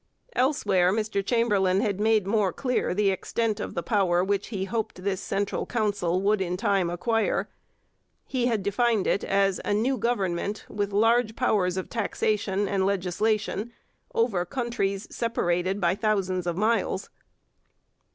Elsewhere Mr Chamberlain had made more clear the extent of the power which he hoped this central council would in time acquire: he had defined it as 'a new government with large powers of taxation and legislation over countries separated by thousands of miles.'